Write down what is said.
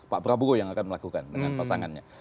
pak prabowo yang akan melakukan dengan pasangannya